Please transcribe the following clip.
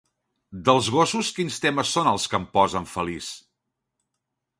Dels Gossos quins temes són els que em posen feliç?